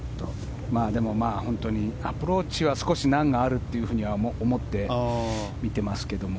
でも、本当にアプローチは少し難があると思って見ていますけども。